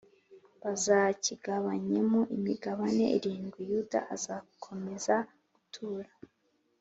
Bazakigabanyemo imigabane irindwi Yuda azakomeza gutura